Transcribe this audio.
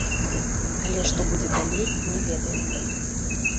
Але што будзе далей, не ведаю.